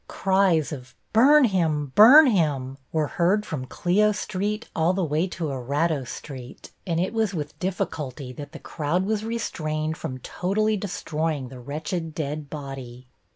Cries of "Burn him! Burn him!" were heard from Clio Street all the way to Erato Street, and it was with difficulty that the crowd was restrained from totally destroying the wretched dead body.